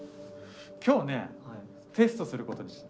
今日ねテストすることにした。